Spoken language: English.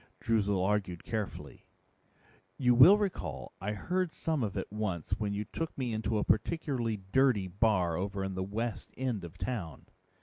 Droozle argued carefully, "You will recall I heard some of it once when you took me into a particularly dirty bar over in the west end of town.